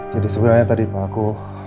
jadi sebenarnya tadi aku